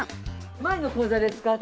前の講座で使った。